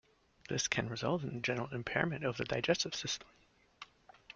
This can result in the general impairment of the digestive system.